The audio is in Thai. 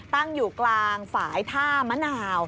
ตั้งอยู่กลางฝ่ายท่ามะนาว